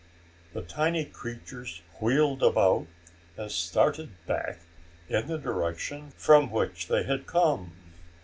The tiny creatures wheeled about and started back in the direction from which they had come.